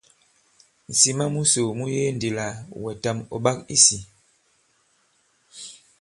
Ŋ̀sìma musò mu yege ndī àlà wɛ̀tàm ɔ̀ ɓak i sī.